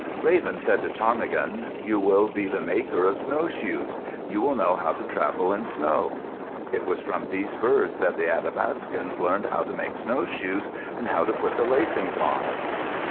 Raven said to Ptarmigan, "You will be the maker of snowshoes. You will know how to travel in snow." It was from these birds that the Athapascans learned how to make snowshoes, and how to put the lacings on.